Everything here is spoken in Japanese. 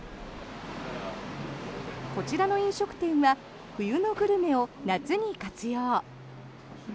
こちらの飲食店は冬のグルメを夏に活用。